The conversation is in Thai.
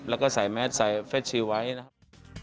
แล้วก็ใส่แมสใส่เฟสชิลไว้นะครับ